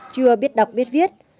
chưa biết đọc biết viết